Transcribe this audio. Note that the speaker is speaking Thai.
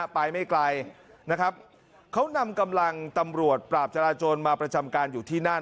ไปไม่ไกลนะครับเขานำกำลังตำรวจปราบจราจนมาประจำการอยู่ที่นั่น